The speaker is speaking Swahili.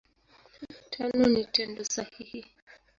Tano ni Tendo sahihi.